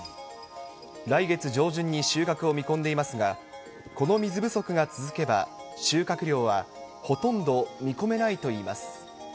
来月上旬に収穫を見込んでいますが、この水不足が続けば、収穫量はほとんど見込めないといいます。